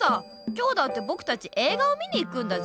今日だってぼくたち映画を見に行くんだぜ？